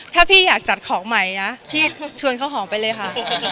ถ้าพี่อยากจัดของใหม่นะพี่ชวนข้าวหอมไปเลยค่ะ